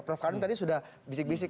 prof karim tadi sudah bisik bisik